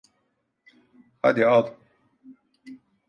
Haydi al.